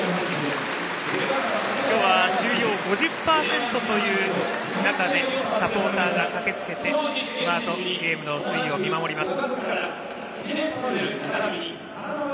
今日は収容５０％という中でサポーターが駆けつけてこのあとゲームの推移を見守ります。